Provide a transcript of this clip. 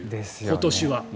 今年は。